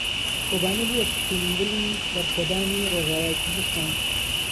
کۆبانێ بووە سمبولی بەرخۆدانی ڕۆژاوای کوردستان.